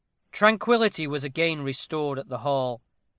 Tranquillity was at length restored at the hall.